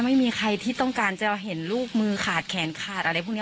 ไม่มีใครที่ต้องการจะเห็นลูกมือขาดแขนขาดอะไรพวกนี้